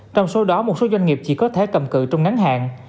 trong số đó một số doanh nghiệp chỉ có thể cầm cự trong ngắn hạn